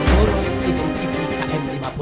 yang urus cctv km lima puluh